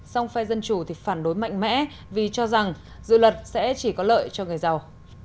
song phe dân chủ thì phản đối mạnh mẽ vì cho rằng dự luật sẽ chỉ có lợi cho người giàu